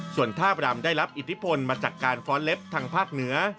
ส่วนท่าบรำได้รับอิทธิพลมาจากการฟ้อนเล็บทางภาคเหนือ